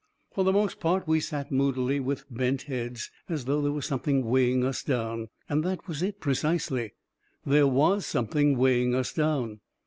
For the most part, we sat moodily, with bent heads, as though there was something weighing us down. And that was it precisely — there was something weighing us down